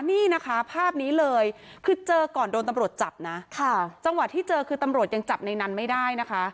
นี่นะคะภาพนี้เลยคือเจอก่อนโดนตำรวจจับนะค่ะจังหวะที่เจอคือตำรวจยังจับในนั้นไม่ได้นะคะ